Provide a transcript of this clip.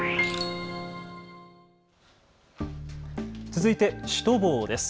続いてシュトボーです。